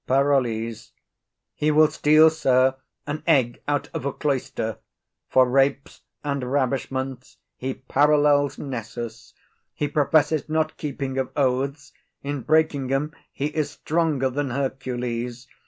PAROLLES. He will steal, sir, an egg out of a cloister: for rapes and ravishments he parallels Nessus. He professes not keeping of oaths; in breaking them he is stronger than Hercules.